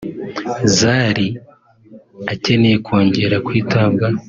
“Zari akeneye kongera kwitabwaho